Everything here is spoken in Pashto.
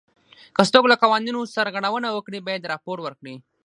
که څوک له قوانینو سرغړونه وکړي باید راپور ورکړي.